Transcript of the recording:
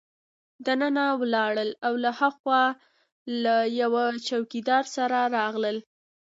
دننه ولاړل او له هاخوا له یوه چوکیدار سره راغلل.